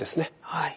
はい。